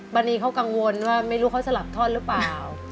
วันนี้เขากังวลว่าไม่รู้เขาสลับท่อนหรือเปล่า